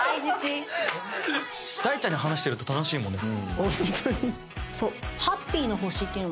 だいちゃんに話してると楽しいもんね。